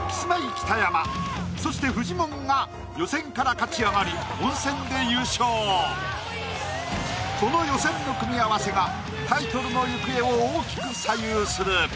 北山そしてフジモンがこの予選の組み合わせがタイトルの行方を大きく左右する。